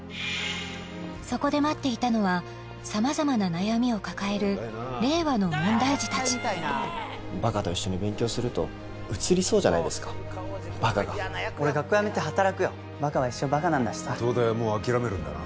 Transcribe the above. そこで待っていたのは様々な悩みを抱える令和の問題児たちバカと一緒に勉強するとうつりそうじゃないですかバカが俺学校やめて働くよバカは一生バカなんだしさ東大はもう諦めるんだな